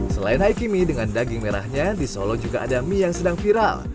selain haiki mie dengan daging merahnya di solo juga ada mie yang sedang viral